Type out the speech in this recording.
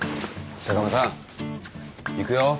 坂間さん行くよ。